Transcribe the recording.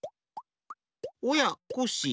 おやコッシー